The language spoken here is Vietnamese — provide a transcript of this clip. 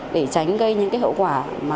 để tránh gây những hậu quả